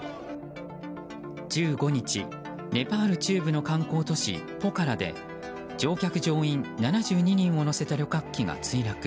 １５日ネパール中部の観光都市ポカラで乗客・乗員７２人を乗せた旅客機が墜落。